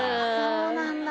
そうなんだ。